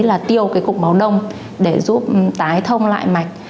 là tiêu cái cục máu đông để giúp tái thông lại mạch